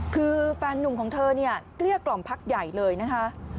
คือแฟนนุ่มของเธอเนี่ยเกลี้ยกล่อมพักใหญ่เลยนะคะ